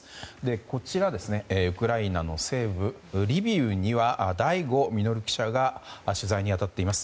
こちら、ウクライナの西部リビウには醍醐穣記者が取材に当たっています。